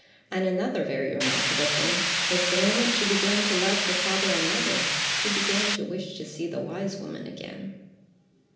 And another very remarkable thing was that the moment she began to love her father and mother, she began to wish to see the wise woman again.